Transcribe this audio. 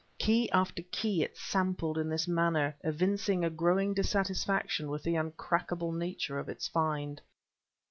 Key after key it sampled in this manner, evincing a growing dissatisfaction with the uncrackable nature of its find.